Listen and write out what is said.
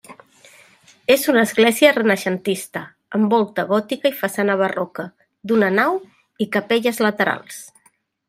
És una església renaixentista, amb volta gòtica i façana barroca, d'una nau i capelles laterals.